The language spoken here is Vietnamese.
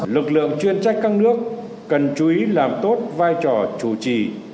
lực lượng chuyên trách các nước cần chú ý làm tốt vai trò chủ trì